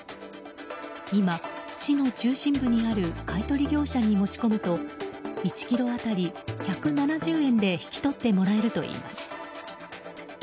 今、市の中心部にある買い取り業者に持ち込むと１ｋｇ当たり１７０円で引き取ってもらえるといいます。